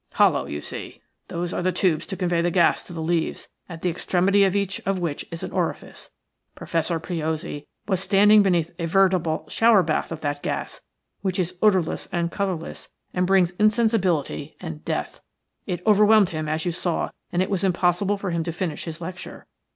"Hollow, you see. Those are the tubes to convey the gas to the leaves, at the extremity of each of which is an orifice. Professor Piozzi was standing beneath a veritable shower bath of that gas, which is odourless and colourless, and brings insensibility and death. It overwhelmed him, as you saw, and it was impossible for him to finish his lecture.